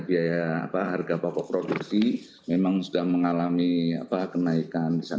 biaya harga pokok produksi memang sudah mengalami kenaikan